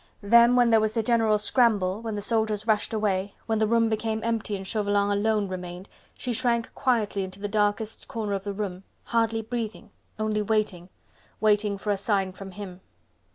Then, when there was the general scramble, when the soldiers rushed away, when the room became empty and Chauvelin alone remained, she shrank quietly into the darkest corner of the room, hardly breathing, only waiting.... Waiting for a sign from him!